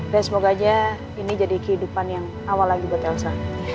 semoga aja ini jadi kehidupan yang awal lagi buat elsa